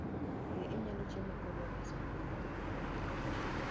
Be inyalo chiemo kodwa e mesani?